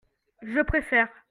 Je préfère.